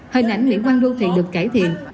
hình ảnh mỹ quan đô thị được cải thiện